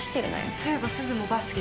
そういえばすずもバスケ好きだよね？